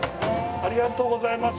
ありがとうございます。